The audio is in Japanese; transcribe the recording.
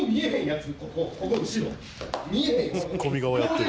「ツッコミ側やってる」